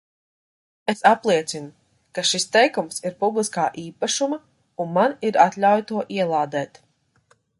Es apliecinu, ka šis teikums ir publiskā īpašuma un man ir atļauja to ielādēt.